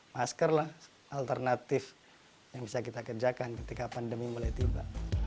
masker lah alternatif yang bisa kita kerjakan ketika pandemi mulai tiba